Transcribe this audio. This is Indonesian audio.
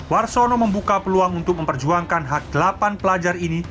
warsono membuka peluang untuk memperjuangkan hak delapan pelajar ini